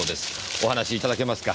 お話しいただけますか？